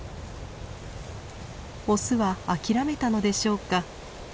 オスは諦めたのでしょうか。